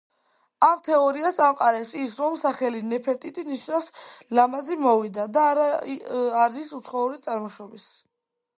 ამ თეორიას ამყარებს ის, რომ სახელი ნეფერტიტი ნიშნავს „ლამაზი მოვიდა“ და არის უცხოური წარმოშობისა.